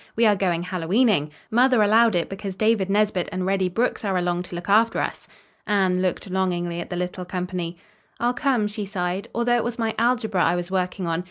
We are going Hallowe'ening. Mother allowed it because David Nesbit and Reddy Brooks are along to look after us." Anne looked longingly at the little company. "I'll come," she sighed, "although it was my algebra I was working on.